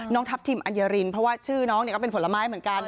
ทัพทิมอัญญารินเพราะว่าชื่อน้องก็เป็นผลไม้เหมือนกัน